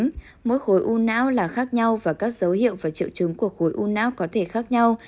trong mỗi khối u não là khác nhau và các dấu hiệu và triệu chứng của khối u não có thể khác nhau